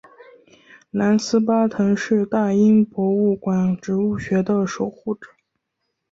兰斯巴腾是大英博物馆植物学的守护者。